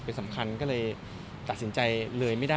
เป็นสำคัญก็เลย